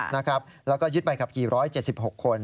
แล้วก็ยึดใบขับขี่๑๗๖คน